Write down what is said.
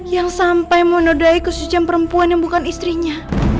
yang sampai mau nodai kesucian perempuan yang bukan istrinya